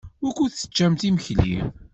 Wukud teččamt imekli?